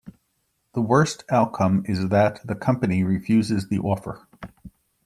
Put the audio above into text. The worst outcome is that the company refuses the offer.